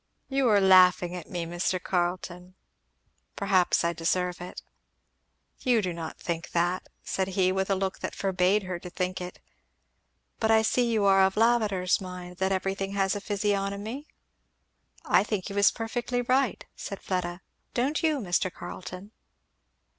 "You are laughing at me, Mr. Carleton? perhaps I deserve it." "You do not think that," said he with a look that forbade her to think it. "But I see you are of Lavater's mind, that everything has a physiognomy?" "I think he was perfectly right," said Fleda. "Don't you, Mr. Carleton?"